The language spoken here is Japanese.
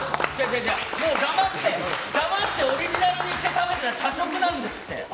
だまってオリジナルにして食べてたら社食なんですって。